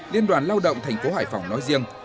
liên đoàn lao động tp hải phòng nói riêng